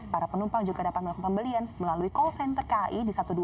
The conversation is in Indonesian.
para penumpang juga dapat melakukan pembelian melalui call center kai di satu ratus dua puluh